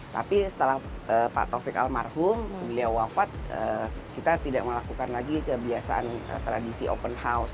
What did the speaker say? tapi setelah pak taufik almarhum beliau wafat kita tidak melakukan lagi kebiasaan tradisi open house